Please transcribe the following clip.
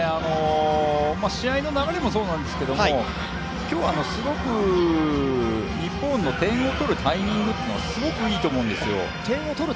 試合の流れもそうなんですけれども、今日は日本の、点を取るタイミングというのがすごくいいと思うんですよ。